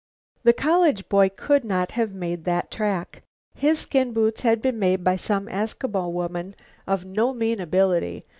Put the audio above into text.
The college boy could not have made that track. His skin boots had been made by some Eskimo woman of no mean ability.